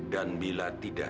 dan bila tidak